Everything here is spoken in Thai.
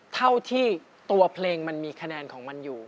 เท่าที่ตัวเพลงมันมีคะแนนของมันอยู่